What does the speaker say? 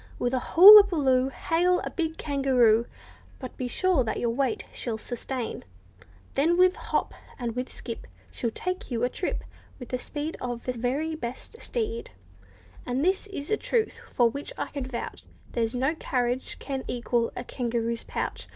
With a hulla buloo, Hail a big kangaroo— But be sure that your weight she'll sustain— Then with hop, and with skip, She will take you a trip With the speed of the very best steed; And, this is a truth for which I can vouch, There's no carriage can equal a kangaroo's pouch.